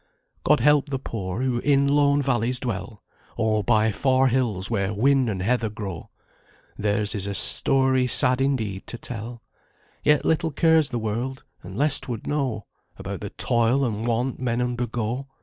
God help the poor, who in lone valleys dwell, Or by far hills, where whin and heather grow; Theirs is a story sad indeed to tell, Yet little cares the world, and less 't would know About the toil and want men undergo.